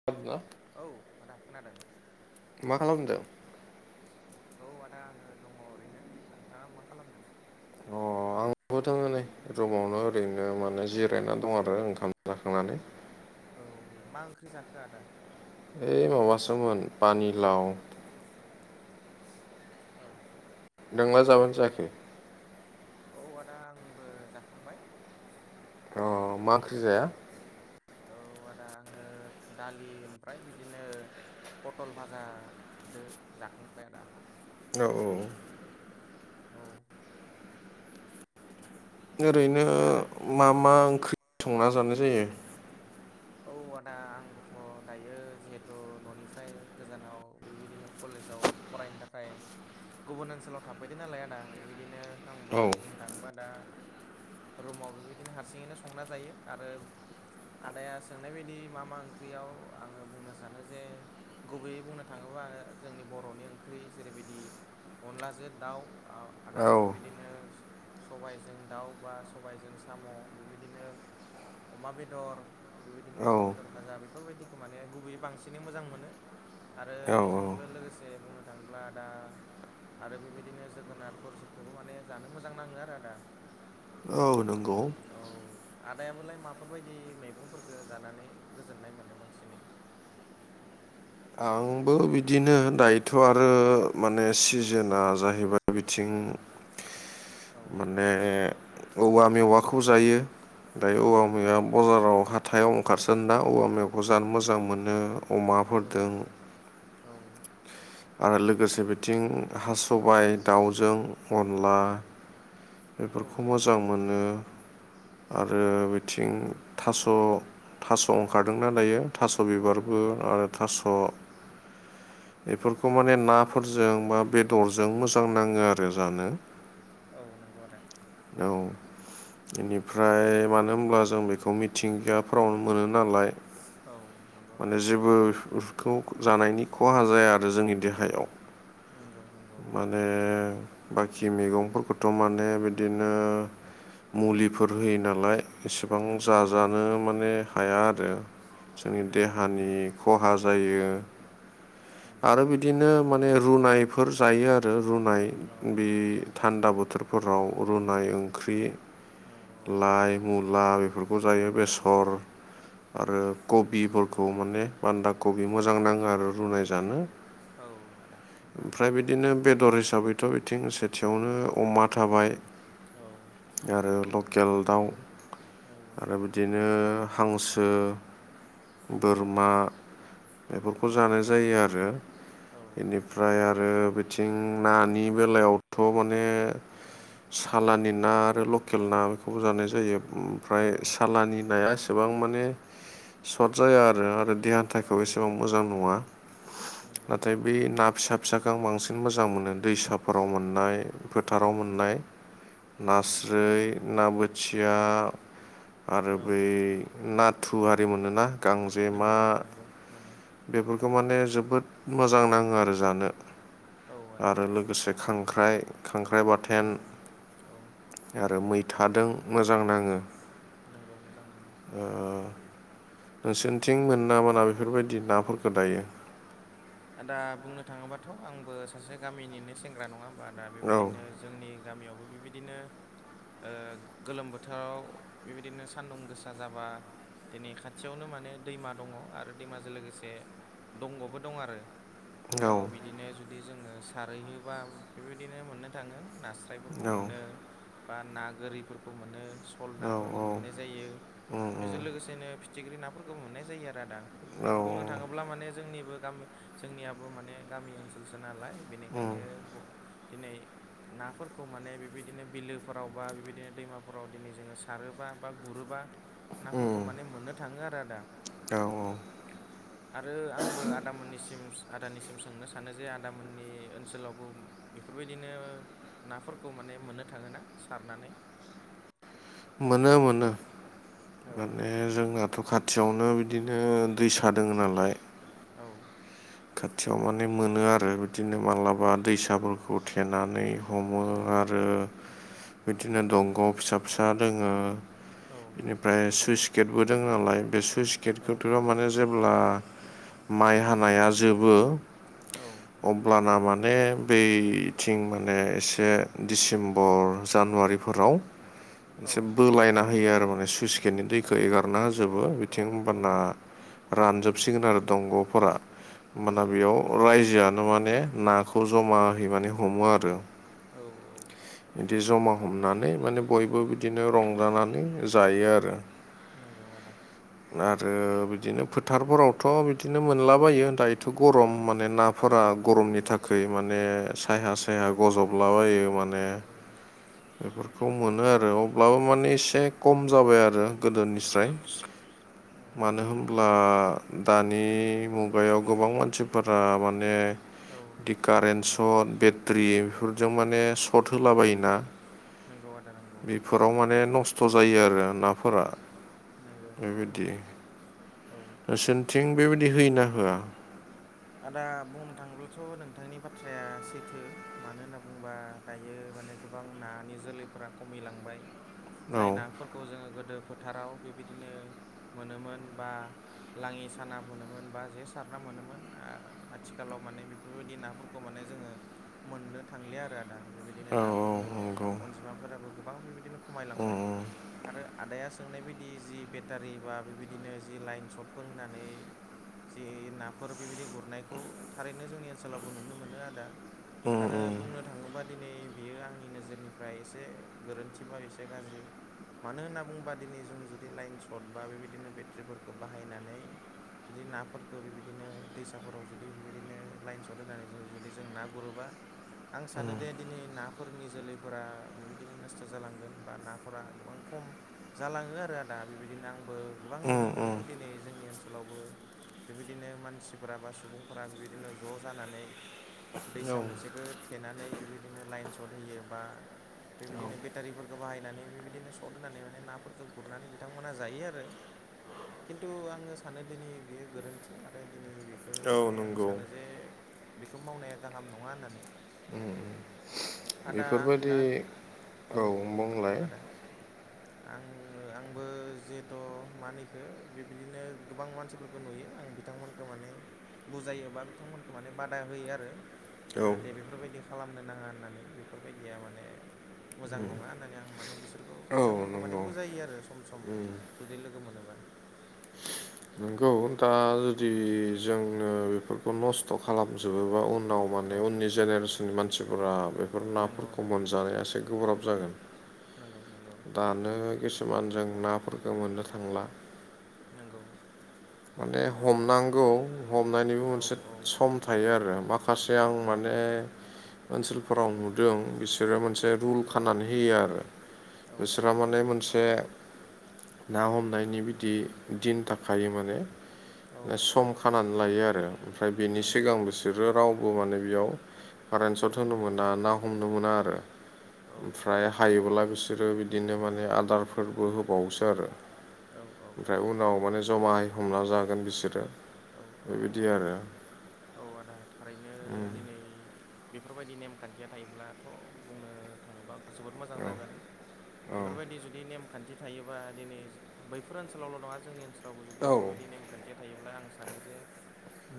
[unintelligible] औ आदा खोनादों मा खालामदों औ आदा आङो दङ ओरैनो नोंथाङा मा खालामदों अ आं बो थाङो नै रुमावनो ओरैनो माने जिरायनानै दं आरो ओंखाम जाखांनानै औ मा ओंख्रि जाखो आदा ओइ माबासोमोन पानिलाव औ नोंलाइ जाबानो जायाखै औ आदा आंबो जाखांबाय अ मा ओंख्रि जाया औ आदा आङो दालि ओमफ्राय बिदिनो पटल भाजादो जाखांबाय आदा औ औ औ ओरैनो आदा मा मा ओंख्रि संना जानाय जायो औ आदा आंबोथ' दायो जिहेथु न'निफ्राय गोजानाव बेबायदिनो कलेजाव फरायनो थाखाय गुबुन ओनसोलाव थाबफैदों नालाय आदा बेबायदिनो आंबो औ बुंनो थाङोबा दा रुमाव बेबायदिनो हारसिङैनो संना जायो आरो आदाया सोंनाय बायदि मा मा ओंख्रियाव आङो बुंनो सानो जे गुबैयै बुंनो थाङोबा जोंनि बर'नि ओंख्रि जेरैबायदि अनलाजों दाउ आदा औ बेबायदिनो सबायजों दाउ बा सबायजों साम' बेबायदिनो अमा बेदर बेबायदिनो औ अमा बेदर भाजा बेफोरबायदिखौ माने गुबैयै बांसिनै मोजां मोनो आरो औ बेजोंबो लोगोसे बुंनो थाङोब्ला दा आरो बेबायदिनो जोगोनारफोर जोखौबो माने जानो मोजां नाङो आरो आदा औ नंगौ औ आदायाबोलाय माफोरबायदि मैगंफोरखौ जानानै गोजोननाय मोनो बांसिनै आंबो बिदिनो दायोथ' आरो माने सिजोनआ जाहैबाय बिथिं औ म ने औवा मेवाखौ जायो दायो औ औवा मेवाया बाजाराव ह थायाव ओंखारसोना औवा मेवखौ जानो मोजां मोनो औ अमाफोरदों औ आरो लोगोसे बिथिं हा सबाइ दाउजों अनला औ बेफोरखौ मोजां मोनो औ आरो आदा आथिं थास' थास' ओंखारदोंना दायो थास' नंगौ बिबारबो आर थास' बेफोरखौ माने नाफोरजों बा बेदरजों मोजां नाङो आरो जानो औ नंगौ आदा औ बेनिफ्राय मानो होनब्ला जों बेखौ मिथिंगाफोरावनो मोनो नालाय औ नंगौ आदा माने जेबोखौ जानायनि खहा जाया आरो जोंनि देहायाव। नंगौ नंगौ। माने बाखि मैगंफोरखौथ' माने बिदिनो मुलिफोर होयो नालाय। एसेबां नंगौ आदा जाजानो नंगौ माने हाया आरो जोंनि नंगौ नंगौ देहानि खहा जाओ नंगौ आरो बिदिनो माने रुनायफोर जायो आरो रुनाय औ बे थान्दा बोथोरफोराव रुनाय ओंख्रि औ औ लाइ मुला बेफोरखौ जायो बेसर आरो कबिफोरखौ माने बान्दा कबि मोजां नाङो आरो रुनाय जानो। औ आदा नंगौ। ओमफ्राय बिदिनो बेदर हिसाबैथ' बिथिं सेथियावनो अमा थाबाय औ आरो लकेल दाउ औ आरो बिदिनो हांसो नंगौ आदा बोरमा बेफोरखौ औ जानाय जायो आरो औ आदा इनिफ्राय आ आरो बिथिं नानि बेलायावथ' माने औ सालानि ना आरो लकेल ना बेखौबो जानाय जायो नंगौ ओमफ्राय आदा सालानि नाया एसेबां माने सर्ट जाया आरो देहा औ हाथायखौ एसेबां मोजां नङा नंगौ नाथाय ब नंगौ ना फिसा फिसाखौ आं बांसिन मोजां मोनो दैसाफोराव मोननाय औ फोथाराव मोननाय औ नास्राय ना बोथिया आरो औ बै नाथु आरि मोनोना गांजेमा नगौ आदा नांगौ मोनो। बेफोरखौ माने जोबोद मोजां नाङो आरो जानो औ आदा आरो लोगोसे खांख्राइ खांख्राइ बार औ औ आरो मैथाजों मोजां नाङो नांगौ मोजां नाङो नोंसोरनिथिं मोनाबाना बेफोरबायदि नाफोरखौ दायो आदा बुंनो थाङोबाथ' आंबो सासे गामिनिनो सेंग्रा नङा होमबा आ दा औ बेबायदिनो जोंनि गामियावबो बेबायदिनो गोलोम बोथोराव बेबायदिनो सान्दुं गोसा जाबा दिनै खाथियावनो माने दैमा दङ आरो दैमाजों लोगोसे दंग'बो दं आरो औ बेयाव बिदिनो जुदि जोङो सारहैयोबा बेबायदिनो मोननो थाङो नास्र फायफोरखौ औ मोनो बा ना गोरिफोरखौ मोन फल औ नाफोरखौ मोननाय जायो उम उम बेजों लोगोसेनो फिथिख्रि नाफोरखौबो मोननाय जायो आरो आदा औ बुंनो थाङोब्ला माने जोंनिबो ग जोंनियाबो माने गामि ओनसोलसो नालाय उम बेनिखायनो दिनै नाफोरखौ माने बेबायदिनो बिलोफोराव बा बेबायदिनो दैमाफोराव दिनै जोङो सारोबा बा गुरोबा नाफोरखौ उम माने मोननो थाङो आरो आदा औ आरो आंबो आदामोननिसिम आदानिसिम सोंनो सानो जे आदामोननि ओनसोलावबो बेफोरबायदिनो नाफोरखौ माने मोननो थाङोना सारनानै? मोनो मोनो औ माने जोंनाथ' खाथि खाथियावनो बिदिनो दैसा दोङ नालाय औ खाथियाव माने मोनो आरो बिदिनो माब्लाबा दैसाफोरखौ थेनानै हमो औ आरो बिदिनो दंग'आव फिसा फिसा दोङो औ बेनिफ्राय सुइस गेटबो द नालाय बे सुइस औ गेटखौथ' माने जेब्ला माइ हानाया जोबो औ अब्लाना माने बैथिं माने एसे दिसेम्बर जानुवारिफोराव औ एसे बोलायना होयो आरो माने सुइस गेटनि दैखौ एगारना औ होजोबो बिथिं औ होमबाना रानजोबसिगोन आरो दंग'फोरा। औ होमबाना बेयाव रायजोआनो माने नाखौ जमाहै माने हमो आरो। औ औ बिदि जमा हमनानै माने बयबो बिदिनो रंजानानै जायो आरो। नंगौआनो आरो बिदिनो फोथारफोरावथ' बिदिनो मोनलाबायो दायो औ गरम माने नाफोरा नंगौ गरमनि था खै माने साया सायहा गजबलाबायो माने औ बेफोरखौ मोनो आरो अब्लाबो मानि एसे खम जाबाय आरो गोदोनिस्राय मानो होम अब्ला दानि मुगायाव गोबां मानसिफोरा माने औ बिदि कारेन्ट सट बेट्रि बेफोरजों माने सट होलाबायोना आदा नंगौ बेफोराव माने नस्थ' जायो आरो नाफोरा। नंगौ बेबायदि औ नोंसिनिथिं बेबायदि होयोना होआ? आदा बुंनो थाङोब्लाथ' नोंथांनि बाथ्राया सैथो मानो होनना बुङोबा दायो माने गोबां नानि जोलैफोरा खमिलांबाय औ जाय नाफोर खौ जोङो गोदो फोथाराव बेबायदिनो मोनोमोन बा लाङि साना मोनोमोन बा जे सारना मोनोमोन आथिखालाव माने बेफोरबायदि नाफोरखौ माने जोङो मोननो थांलिया आरो आदा बेबायदिनो औ औ नाफोरनि नंगौ अ-अ-अनजिमाफोराबो गोबां बेबायदिनो उम, खमायलांबाय। आरो आदाया सोंनाय बदि जि बेटारि बा बेबायदिनो जि लाइन सटफोर होनानै जि नाफोर बेबायदि गुरनायखौ थारैनो जोंनि ओनसोलावबो नुनो मोनो आदा आरो बुंनो बुंनो थाङोबा दिनै बियो आंनि नोजोरनिफ्राय एसे गोरोन्थि बा एसे गाज्रि मानो होनना बुङोबा दिनै जों जुदि लाइन सर्ट बा बेबायदिनो बेट्रिफोरखौ बाहायनानै जुदि नाफोरखो बेबायदिनो दैसाफोराव जुदि बेबायदिनो लाइन सट होनानै ज जुदि जों ना गुरोबा आं सानो दे दिनै ना नाफोरनि जोलैफोरा बेबायदिनो नस्थ' जालांगोन बा नाफोरा गोबां खम जालाङो आरो आदा बेबायदिनो आंबो गोबां नुनो मोनो दिनै जोंनि ओनसोलावबो बेबायदिनो मानसि मानसिफोरा बा सुबुंफोरा बेबायदिनो ज' जानानै उम, औ दैसा मोनसेखौ थेनानै बेबायदिनो लाइन सट होयो बा बेबायदिनो बेटारिफोरखौ बाहायनानै बेबायदिनो सट होनानै माने नाफोरखौ गुरनानै बिथांमोनहा जायो आरो। खिन्थु आङो सानो दिनै बियो गोरोन्थि आरो दिनै बेखौ औ औ माने आं नंगौ सानो जे बेखौ मावनाया गाहाम नङा होननानै आदा आं बेफोरबायदि दा औ दे बुं आदा आं आंबो जिहेथ' मानिखो बेबदिनो गोबां मानसिफोर नुयो आं बिथांमोनखौ माने बुजायोबा बिथांमोनखौ माने बादा होयो आरो औ जाहाथे बे बेफोरबायदि खालामनो नाङा होननानै बेफोरबायदिया माने मोजां नङा होननानै आं माने बिसोरखौ औ बिथांमोनखौ माने नंगौ बुजायो आरो सम सम जुदि लोगो मोनोबा नंगौ दा जुदि जोंङनो बेफोरखौ नस्थ' खालामजोबोबा उनाव औ माने उननि जेनेरेसननि मानसिफोरा बेफोर नंगौ नाफोरखौ आदा मोनजानाया एसे गोब्राब जागोन नांगौ नांगौ दानो किसुमान जों नाफोरफोरखौ मोननो थांला नंगौ माने हमनांगौ हमनायनिबो औ मोनसे औ सम थायो आरो माखासे आं नंगौ आदा माने ओनसोलफोराव नुदों बिसोरो मोनसे रुल औ खानानै होयो आरो औ औ बिसोरहा माने मोनसे ना हमनायनि बिदि दिन थाख माने औ सम खानानै लायो आरो ओमफ्राय बेनि नंगौ सिगां आदा बिसोरो रावबो माने बेयाव औ कारेन्सट होनो मोना ना हमनो मोना आरो औ ओमफ्राय हायोब्ला बिसोरो बिदिनो माने आदारफोरबो होबावसो आरो औ औ ओमफ्राय उनाव माने जमायै हमना जागोन बिसोरो औ औ बेबायदि आरो औ आदा थारैनो उम, दिनै बेफोरबायदि नेमखान्थिया थायोब्लाथ' बुंनो जो मो औ औ ज बेदि ज ने नेम खान्थि थायोबा दिनै बैफोर ओनसोलावल' नङा जोंनि ओनसोलावबो जुदि औ बेफोरबायदि नेमखान्थिया थायोब्लां सानो जे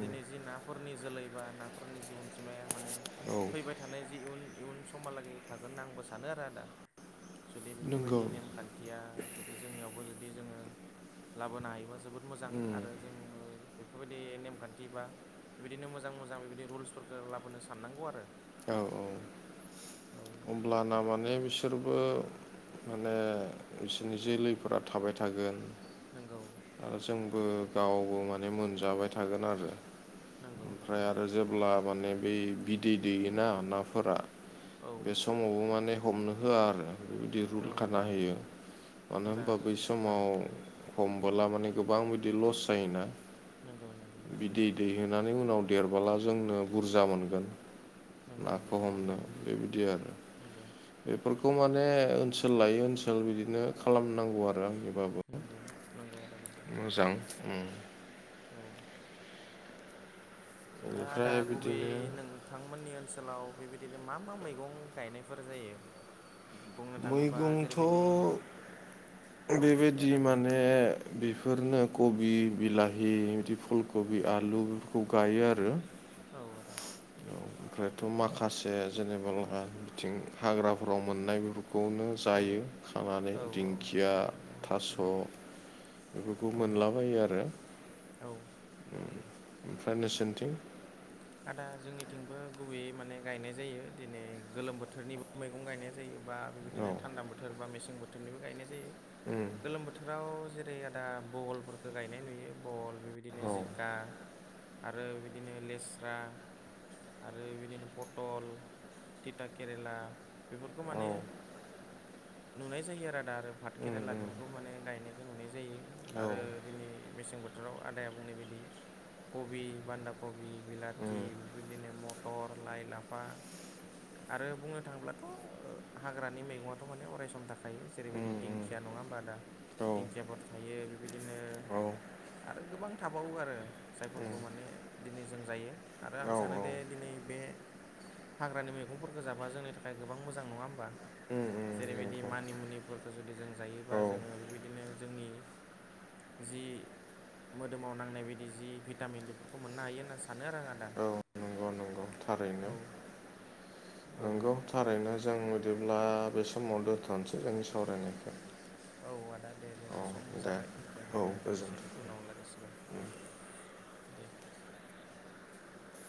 दिनै जि नाफोरनि जोलै बा नाफोरनि जि अनजिमाया माने औ फैबाय थानाय जि इयुन इयुन समहालागै थागोन आंबो सानो आरो आदा जुदि नंगौ बेफोरबायदि नेमखान्थिया जुदि जोंनियावबो जुदि जोङो लाबोनो हायोबा जोबोद बहद मोजां उम, आरो जोङो बेफोरबायदि नेमखान्थि बा बेबायदिनो मोजां मोजां बेबायदि रुल्सफोरखौ लाबोनो साननांगौ आरो औ औ औ हब्लाना माने बिसोरबो माने बिसोरनि जोलैफोरा थाबाय थागोन नोंगौ आरो जोंबो गावबो माने मोनजाबाय थागोन आरो नंगौ ओमफ्राय नंगौ आरो जेब्ला माने ब बिदै दैयोना नाफोरा औ फावबो माने हमनो होआ आरो बेबायदि औ रुल खाना औ होयो मानो होनबा मोजाङानो बै जोबोद मोजां समाव हमबोला माने गोबां बिदि लस जायोना नंगौ नंगौ नंगौ देनानै उनाव देरबोला जोंनो बुरजा मोनगोन नंगौ नाखौ नंगौ आदा हमदों नंगौ बेबायदि आरो नंगौ बेफोरखौ माने ओनसोल लायै ओनसोल बिदिनो खालामनांगौ आरो आंनिबाबो नांगौ नांगौ आरो ना मोजां औ आदा बेनिफ्राय गुबबे बिदिनो नों नोंथमोननि ओनसोलाव बेबायदिनो मा मा मैगं गायनायफोर जायो बुंनो थाङोबा जेरैबायदि मैगंथ' औ दे बेबायदि आदा बुं माने बेफोरनो कबि बिलाहि बिदि फुल कबि आलु बेफोरखौ गायो आरो औ आदा ओमफ्रायथ' माखासे जेनेबा आ बिथिं हाग्राफोराव मोननाय बेफोरखौनो औ जायो खानानै औ दिंखिया औ थास' औ बेफोरखौ औ मोनलाबायो आरो औ ओमफ्राय नोंसोरनिथिं आदा जोंनिथिंबो गुबैयै माने गायनाय जायो दिनै गोलोम बोथोरनिबो मैगं गायनाय जायो बा औ बेबायदिनो थान्दां बोथोर बा मेसें बोथोरनिबो गायनाय जायो ओम गोलोम बोथोराव जेरै आदा बहलफोरखौ गायनाय नुयो बहल बेबायदि बिदिनो औ जिखा आरो बिदिनो लेस स्रा आरो बिदिनो पटल तिता केरेला बेफोरखौ औ माने नुनाय जायो आरो आदा आरो भात उम केरेला उम बेफोर बेखौ माने गायनायखौ नुनाय जायो औ आरो दिनै मेसें बोथोराव आदाया बुंनाय बायदि कबि, बान्दा कबि, बिलाथि उम बेबायदिनो मटर लाइ लाफा आरो बुंनो थाङोब्लाथ' हाग्रानि मैगङाथ' माने अरायसम थाखा थायो। जेरैबायदि उम उम दिंखिया नङा होमबा आदा औ दिंखियाफोर थायो। बेबायदिनो औ आरो गोबां थाबावो आरो उम जायफोरखौ माने दिनै जों जायो। आरो आं औ सानोदे दिनै बे हाग्रानि मेगंफोरखो जाबा जोंनि थाखाय गोबां मोजां नङा होमबा? औ उम जेरैबायदि नंगौ मानिमुनिफोरखौ जुदि जों जायोबा औ जोङो बेबायदिनो जोंनि जि मोदोमाव नांनाय बायदि जि भिटामिन बेफोरखौ मोननो हायो होनना सानो आरो आं आदा। औ नंगौ नंगौ थारैनो। औ औ नंगौ थारैनो जों बिदिब्ला बे समाव दोन्थ'नोसै जोंनि सावरायनायखो। औ आदा दे जोंहा समबो दे जाबाय जोङो औ गोजोन्थों दोनथ'नोसै उनाव लायरायसिगोन। दे।